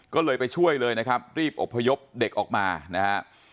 ก็เลยไปช่วยเลยนะครับรีบอบพยพเด็กออกมานะฮะ